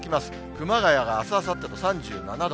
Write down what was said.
熊谷があす、あさってで３７度。